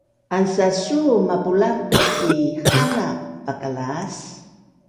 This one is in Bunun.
ansasuu mapulanbu’ ki hana pakalaas